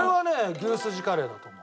牛すじカレーだと思う。